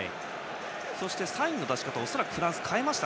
そして、サインの出し方を恐らくフランスは変えました。